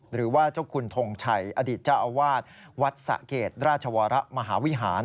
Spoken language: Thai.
หรือว่าเจ้าคุณทงชัยอดีตเจ้าอาวาสวัดสะเกดราชวรมหาวิหาร